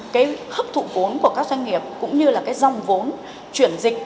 cái hấp thụ vốn của các doanh nghiệp cũng như là cái dòng vốn chuyển dịch